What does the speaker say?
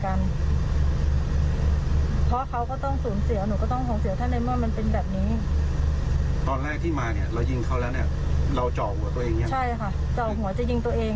ก็มาดึงปืนออกจากมือเราก็หักข้อมือเข้ามาข้างหลังทั้งข้าง